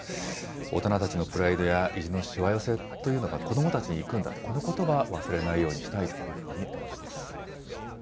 大人たちのプライドや意地のしわ寄せというのが、子どもたちにいくんだと、このことば、忘れないようにしたいというふうに思います。